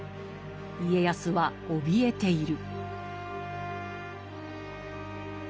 家康はおびえている。